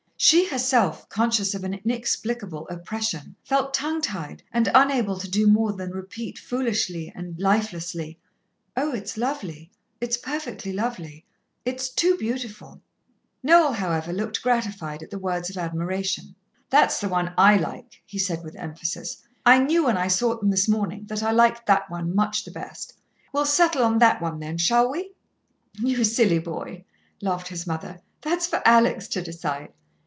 She herself, conscious of an inexplicable oppression, felt tongue tied, and unable to do more than repeat foolishly and lifelessly: "Oh, it's lovely, it's perfectly lovely. It's too beautiful." Noel, however, looked gratified at the words of admiration. "That's the one I like," he said with emphasis. "I knew when I saw them this morning that I liked that one much the best. We'll settle on that one, then, shall we?" "You silly boy," laughed his mother, "that's for Alex to decide.